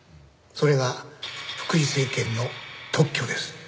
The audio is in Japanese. それが福井精研の特許です。